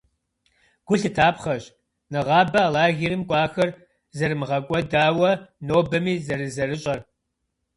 Гу лъытапхъэщ нэгъабэ а лагерым кӏуахэр зэрымыгъэкӏуэдауэ нобэми зэрызэрыщӏэр.